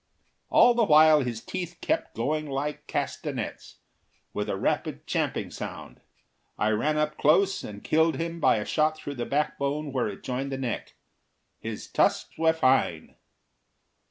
All the while his teeth kept going like castanets, with a rapid champing sound. I ran up close and killed him by a shot through the backbone where it joined the neck. His tusks were fine.